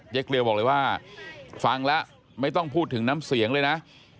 เกลียวบอกเลยว่าฟังแล้วไม่ต้องพูดถึงน้ำเสียงเลยนะ